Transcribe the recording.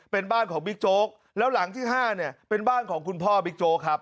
เป็นบ้านของบิ๊กโจ๊กแล้วหลังที่๕เนี่ยเป็นบ้านของคุณพ่อบิ๊กโจ๊กครับ